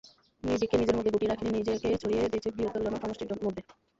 নিজেকে নিজের মধ্যে গুটিয়ে রাখেনি, নিজেকে ছড়িয়ে দিয়েছে বৃহত্তর জনসমষ্টির মধ্যে।